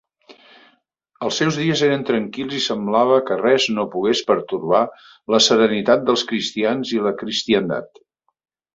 Els seus dies eren tranquils i semblava que res no pogués pertorbar la serenitat dels cristians i la cristiandat.